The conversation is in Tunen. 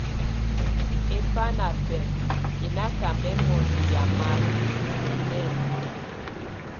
Ebá na bɛnd enákaka mɛ mondo yamak, mɛ mɛn.